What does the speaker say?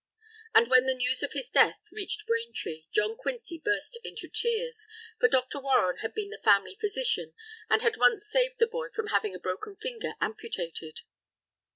And when the news of his death reached Braintree, John Quincy burst into tears, for Dr. Warren had been the family physician, and had once saved the boy from having a broken finger amputated.